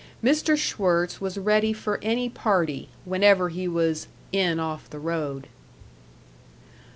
Mr. Schwirtz was ready for any party, whenever he was "in off the road."